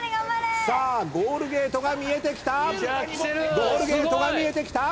さあゴールゲートが見えてきたゴールゲートが見えてきた。